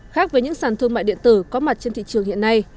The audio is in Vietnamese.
khác với những sản thương mại điện tử có mặt trên thị trường hiện nay